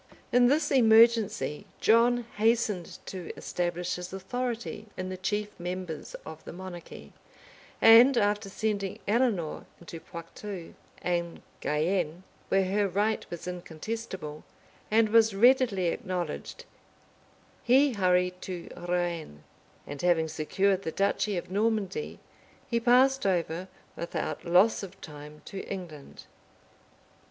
In this emergency, John hastened to establish his authority in the chief members of the monarchy; and after sending Eleanor into Poictou and Guienne, where her right was incontestable, and was readily acknowledged, he hurried to Rouen, and having secured the duchy of Normandy, he passed over, without loss of time, to England.